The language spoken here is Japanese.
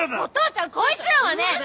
お父さんこいつらはね。